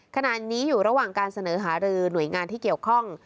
ขณะนี้อยู่ระหว่างการเสนอหารือหน่วยงานที่เกี่ยวข้อง